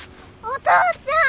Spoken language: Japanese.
お母ちゃん！